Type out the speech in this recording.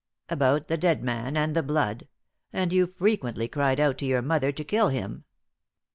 "About the dead man and the blood; and you frequently cried out to your mother to kill him.